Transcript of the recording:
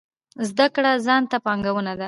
زده کړه ځان ته پانګونه ده